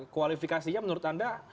kualifikasinya menurut anda